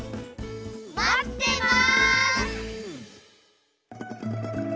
まってます！